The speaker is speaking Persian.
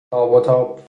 تاب و تاب